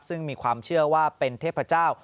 ซึ่งมีความเชื่อว่าเป็นเทพเจ้า